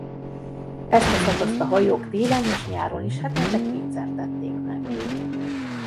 Ezt a szakaszt a hajók télen és nyáron is hetente kétszer tették meg.